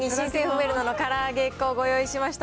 ウェルナのから揚げ粉、ご用意しました。